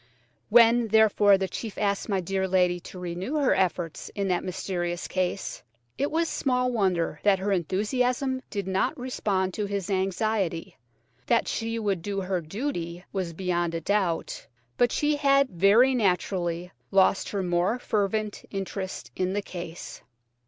When, therefore, the chief asked my dear lady to renew her efforts in that mysterious case, it was small wonder that her enthusiasm did not respond to his anxiety. That she would do her duty was beyond a doubt, but she had very naturally lost her more fervent interest in the case.